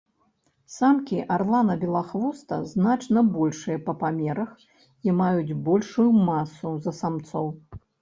Самкі арлана-белахвоста значна большыя па памерах і маюць большую масу за самцоў.